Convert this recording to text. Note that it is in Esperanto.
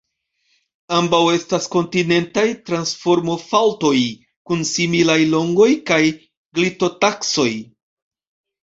Ambaŭ estas kontinentaj transformofaŭltoj kun similaj longoj kaj glitotaksoj.